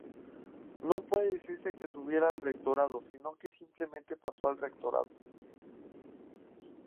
No puede decirse que subiera al rectorado sino que simplemente pasó al rectorado.